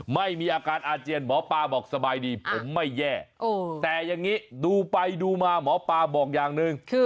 ไม่มีอาการอาเจียนหมอปลาบอกสบายดีผมไม่แย่แต่อย่างนี้ดูไปดูมาหมอปลาบอกอย่างหนึ่ง